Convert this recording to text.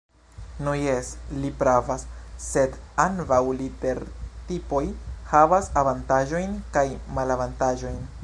Nu jes, li pravas; sed ambaŭ litertipoj havas avantaĝojn kaj malavantaĝojn.